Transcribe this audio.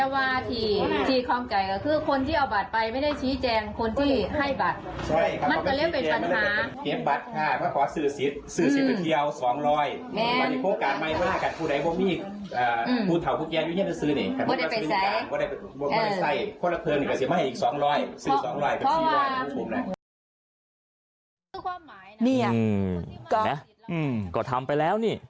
นี้ห่อเราก็ทำไปแล้ว